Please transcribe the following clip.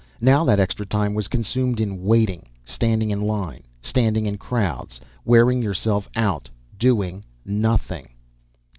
Now that extra time was consumed in waiting. Standing in line, standing in crowds, wearing yourself out doing nothing.